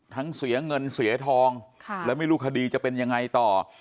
เสียเงินเสียทองแล้วไม่รู้คดีจะเป็นยังไงต่อ